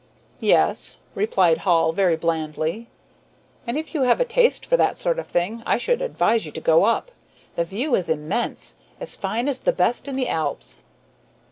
"Yes," replied Hall, very blandly, "and if you have a taste for that sort of thing I should advise you to go up. The view is immense, as fine as the best in the Alps."